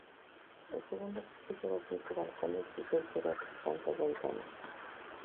El segundo piso lleva cinco balcones y el tercero otras tantas ventanas.